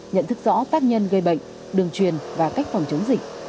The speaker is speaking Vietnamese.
nhận thức rõ tác nhân gây bệnh đường truyền và cách phòng chống dịch